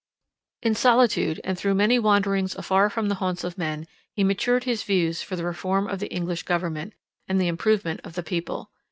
In solitude, and through many wanderings afar from the haunts of men, he matured his views for the reform of the English government, and the improvement of the people.